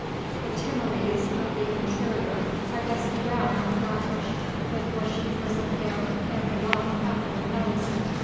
The Timorese of the interior are dusky brown or blackish, with bushy frizzled hair, and the long Papuan nose.